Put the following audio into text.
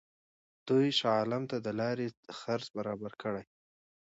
دوی شاه عالم ته د لارې خرڅ برابر کړي.